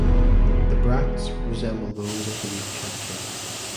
The bracts resemble those of the male catkin.